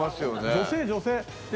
女性女性。